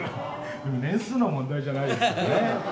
年数の問題じゃないですよね。